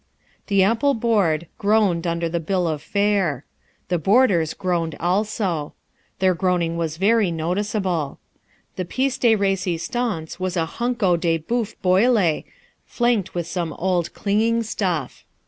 The ample board groaned under the bill of fare. The boarders groaned also. Their groaning was very noticeable. The pièce de resistance was a hunko de bœuf boilé, flanked with some old clinging stuff.